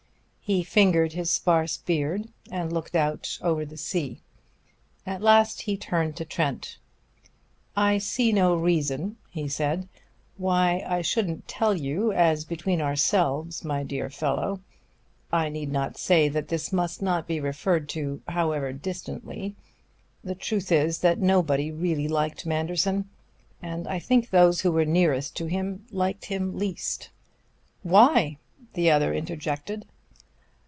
He fingered his sparse beard and looked out over the sea. At last he turned to Trent. "I see no reason," he said, "why I shouldn't tell you as between ourselves, my dear fellow. I need not say that this must not be referred to, however distantly. The truth is that nobody really liked Manderson; and I think those who were nearest to him liked him least." "Why?" the other interjected.